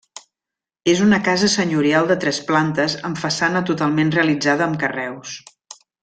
És una casa senyorial de tres plantes amb façana totalment realitzada amb carreus.